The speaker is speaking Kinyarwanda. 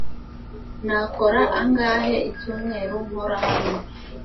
Nakora angahe icyumweru nkora hano?